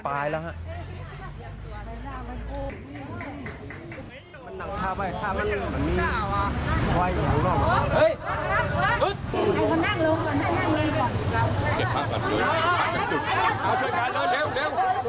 ปลายแล้วฮะ